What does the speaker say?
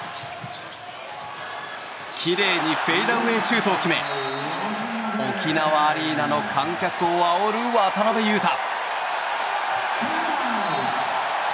きれいにフェイドアウェイシュートを決め沖縄アリーナの観客をあおる渡邊雄太。